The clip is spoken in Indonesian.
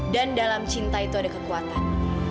dan dalam cinta itu ada kekuatan